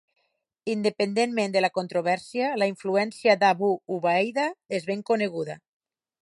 Independentment de la controvèrsia, la influència d"Abu Ubaida és ben coneguda.